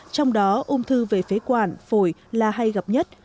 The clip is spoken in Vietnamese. trong đó ung thư về phế quản phổi là hay gặp nhất